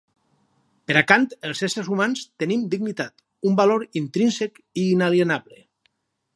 Per a Kant els éssers humans tenim dignitat, un valor intrínsec i inalienable.